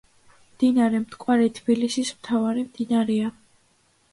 მდინარე "მტკვარი" თბილისის მთავარი მდინარეა.